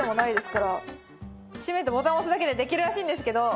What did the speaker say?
閉めてボタン押すだけでできるらしいんですけど。